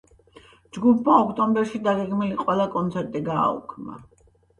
ჯგუფმა ოქტომბერში დაგეგმილი ყველა კონცერტი გააუქმა.